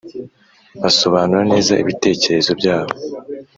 basobanura neza ibitekerezo byabo,